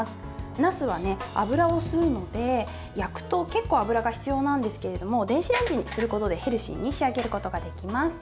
なすは油を吸うので、焼くと結構、油が必要なんですけど電子レンジにすることでヘルシーに仕上げることができます。